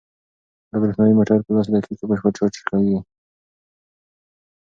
دا برېښنايي موټر په لسو دقیقو کې بشپړ چارج کیږي.